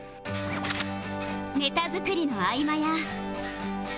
ネタ作りの合間や